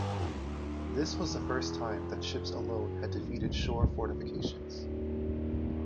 This was the first time that ships alone had defeated shore fortifications.